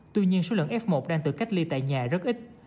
tuy nhiên số lượng f một đang tự cách ly tại nhà rất ít